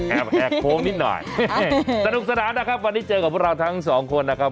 แอบแหกโค้งนิดหน่อยสนุกสนานนะครับวันนี้เจอกับพวกเราทั้งสองคนนะครับ